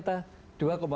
hah mahal banget mah